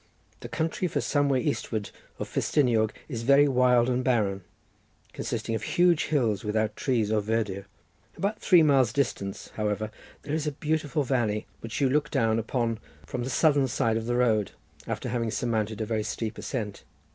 The country for some way eastward of Festiniog is very wild and barren, consisting of huge hills without trees or verdure. About three miles' distance, however, there is a beautiful valley, which you look down upon from the southern side of the road, after having surmounted a very steep ascent.